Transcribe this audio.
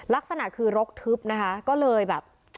ลักษณะคือรกทึบนะคะก็เลยแบบ